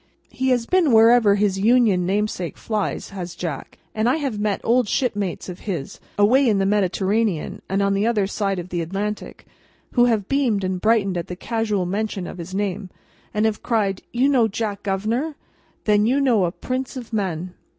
He has been wherever his Union namesake flies, has Jack, and I have met old shipmates of his, away in the Mediterranean and on the other side of the Atlantic, who have beamed and brightened at the casual mention of his name, and have cried, "You know Jack Governor? Then you know a prince of men!"